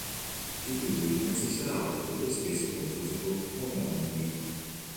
Di lui non si sa altro ed è spesso confuso con omonimi.